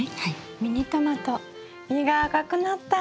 ミニトマト実が赤くなったんですよ。